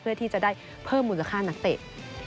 เพื่อที่จะได้เพิ่มมูลค่านักเตะ